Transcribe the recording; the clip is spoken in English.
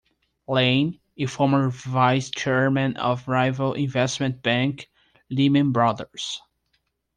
Lane, a former Vice Chairman of rival investment bank, Lehman Brothers.